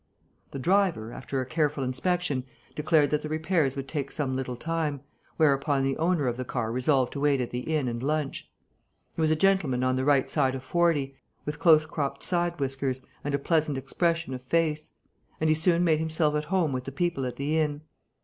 The driver, after a careful inspection, declared that the repairs would take some little time, whereupon the owner of the car resolved to wait at the inn and lunch. He was a gentleman on the right side of forty, with close cropped side whiskers and a pleasant expression of face; and he soon made himself at home with the people at the inn.